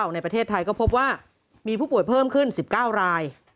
ในประเทศไทยก็พบว่ามีผู้ป่วยเพิ่มขึ้น๑๙ราย